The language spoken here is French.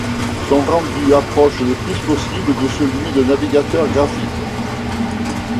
Son rendu approche le plus possible de celui de navigateurs graphiques.